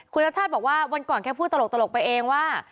คุณชัดชาติบอกว่าวันก่อนแค่พูดตลกไปเองว่า